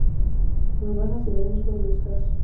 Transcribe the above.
Las bajas y daños fueron escasos.